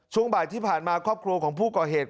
ช่วงบ่ายที่ผ่านมาครอบครัวของผู้ก่อเหตุ